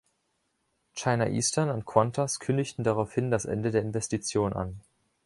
China Eastern und Qantas kündigten daraufhin das Ende der Investition an.